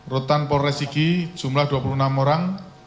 rutan polres sigi jumlah dua puluh enam orang